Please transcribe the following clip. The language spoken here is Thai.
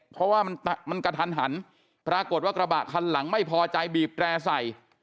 เพราะว่ามันกระทันหันปรากฏว่ากระบะคันหลังไม่พอใจบีบแตร่ใส่